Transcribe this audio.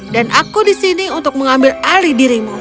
dan aku di sini untuk mengambil alih dirimu